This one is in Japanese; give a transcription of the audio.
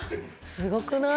すごくない？